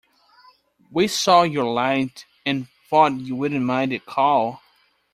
We saw your light, and thought you wouldn't mind a call.